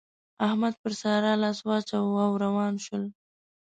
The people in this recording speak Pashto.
احمد پر سارا لاس واچاوو او روان شول.